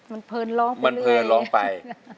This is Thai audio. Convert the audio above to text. มันเพลินร้องไปมันเพลินร้องไป